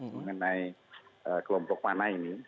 mengenai kelompok mana ini